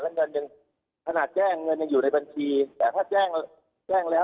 แล้วเงินยังขนาดแจ้งเงินยังอยู่ในบัญชีแต่ถ้าแจ้งแจ้งแล้ว